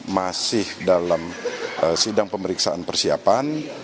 masih dalam sidang pemeriksaan persiapan